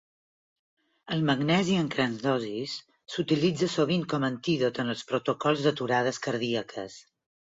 El magnesi en grans dosis s'utilitza sovint com a antídot en els protocols d'aturades cardíaques.